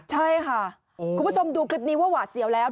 ใช่ค่ะคุณผู้ชมดูคลิปนี้ว่าหวาดเสียวแล้ว